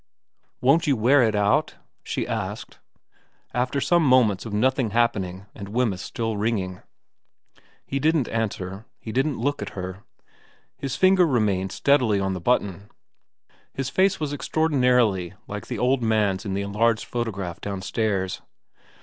' Won't you wear it out ?' she asked, after some moments of nothing happening and Wemyss still ringing. He didn't answer. He didn't look at her. His finger remained steadily on the button. His face was extraordinarily like the old man's in the enlarged photograph downstairs.